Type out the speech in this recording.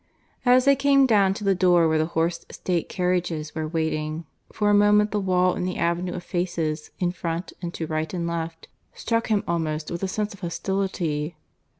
As they came down to the door where the horsed State carriages were waiting, for a moment the wall and the avenue of faces, in front and to right and left, struck him almost with a sense of hostility.